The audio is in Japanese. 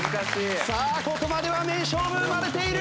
さあここまでは名勝負生まれている！